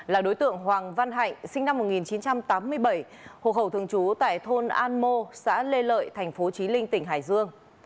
là đối tượng hoàng văn hạnh sinh năm một nghìn chín trăm tám mươi bảy hộ khẩu thường trú tại thôn an mô xã lê lợi tp chí linh tp hải dương